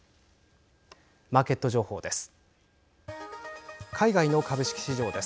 マーケット情報です。